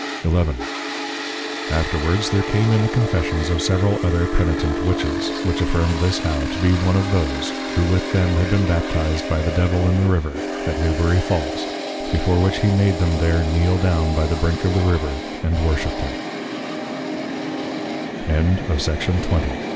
XI. Afterwards there came in the Confessions of several other (penitent) Witches, which affirmed this How to be one of those, who with them had been baptized by the Devil in the River, at Newbury Falls: before which he made them there kneel down by the Brink of the River and w